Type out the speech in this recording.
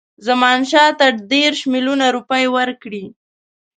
زمانشاه ته دېرش میلیونه روپۍ ورکړي.